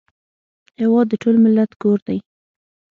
هېواد د ټول ملت کور دی